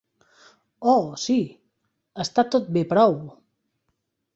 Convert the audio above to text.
Oh, sí, està tot bé prou!